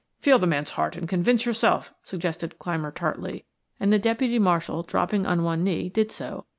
Feel the man's heart and convince yourself," suggested Clymer tartly, and the deputy marshal, dropping on one knee, did so.